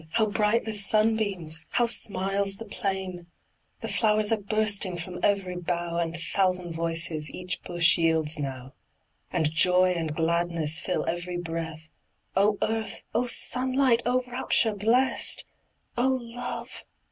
How bright the sunbeams! How smiles the plain! The flow'rs are bursting From ev'ry bough, And thousand voices Each bush yields now. And joy and gladness Fill ev'ry breast! Oh earth! oh sunlight! Oh rapture blest! Oh love!